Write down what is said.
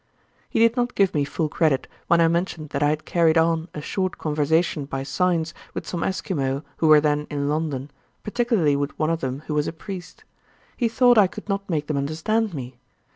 He did not give me full credit when I mentioned that I had carried on a short conversation by signs with some Esquimaux who were then in London, particularly with one of them who was a priest. He thought I could not make them understand me.